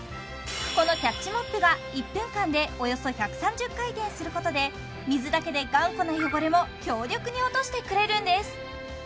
このキャッチモップが１分間でおよそ１３０回転することで水だけで頑固な汚れも強力に落としてくれるんです